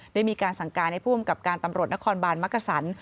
ได้มีการสั่งการให้ผู้พักกรรมกรับตำรวจนครบานมักกะสัน